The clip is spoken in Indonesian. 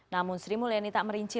namun sri mulyani tak merinci